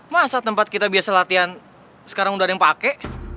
masa tempat kita biasa latihan sekarang udah ada yang pakai